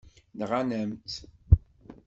Nɣan-am-tt.